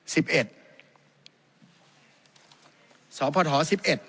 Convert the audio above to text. สอบพอร์ทฮอร์๑๑